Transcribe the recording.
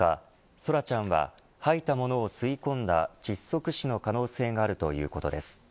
奏良ちゃんは吐いたものを吸い込んだ窒息死の可能性があるということです。